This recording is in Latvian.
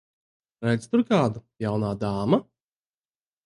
Redzi tur kādu, jaunā dāma?